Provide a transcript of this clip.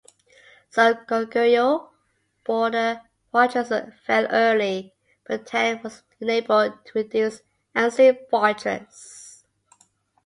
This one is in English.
Some Goguryeo border fortresses fell early, but Tang was unable to reduce Ansi fortress.